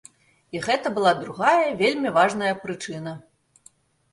І гэта была другая, вельмі важная прычына.